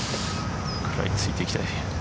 食らい付いていきたい。